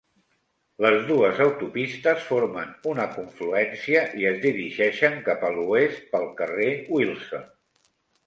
Les dues autopistes formen una confluència i es dirigeixen cap a l'oest pel carrer Wilson.